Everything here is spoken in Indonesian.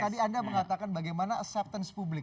tadi anda mengatakan bagaimana acceptance publik